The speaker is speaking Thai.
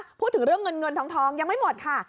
พอพูดถึงเรื่องเงินเงินทองยังไม่หมดค่ะ